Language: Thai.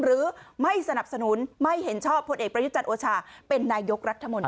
หรือไม่สนับสนุนไม่เห็นชอบผลเอกประยุจันทร์โอชาเป็นนายกรัฐมนตรี